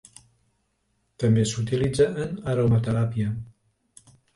També s'utilitza en aromateràpia.